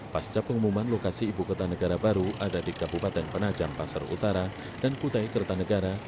pasca pengumuman lokasi ibu kota negara baru ada di kabupaten penajam pasar utara dan kutai kertanegara